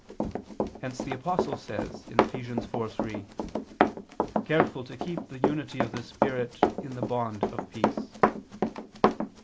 Hence the Apostle says (Eph. 4:3): "Careful to keep the unity of the Spirit in the bond of peace."